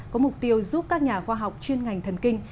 có mục tiêu giúp các nhà khoa học chuyên ngành thần kinh